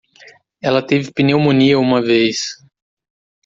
Ela teve pneumonia uma vez.